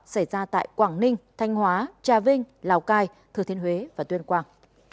xảy ra tại quảng ninh thanh hóa trà vinh lào cai thừa thiên huế và tuyên quang